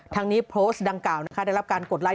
ทั้งนี้โพสต์ดังกล่าวได้รับการกดไลค